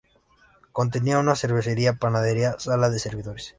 Contenía una cervecería, panadería, sala de servidores...